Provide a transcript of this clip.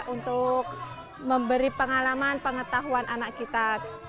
untuk memberi pengalaman pengetahuan anak kita